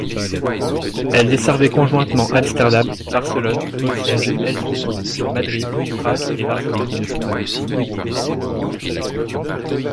Elle desservait conjointement Amsterdam, Barcelone, Bruxelles, Helsinki, Madrid, Prague et Varsovie.